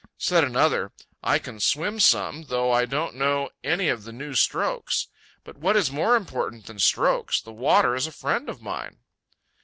Said another: "I can swim some, though I don't know any of the new strokes. But what is more important than strokes, the water is a friend of mine."